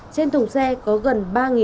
trên thùng xe có gần